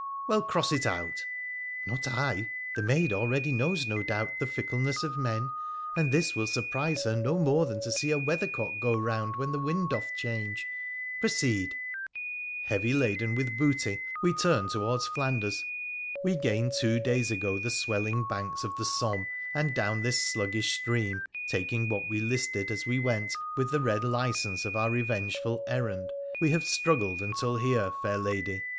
' Well, cross it out !'' Not I ! The maid already knows, no doubt, the fickle ness of men, and this will surprise her no more than to see a weathercock go round when the wind doth change. Pro ceed !' Heavy laden with booty, we turned towards Flanders. We gained two days ago the swelling banks of the Somme, and down this sluggish stream, taking what we listed as we went with the red license of our revengeful errand, we have struggled until here, fair lady.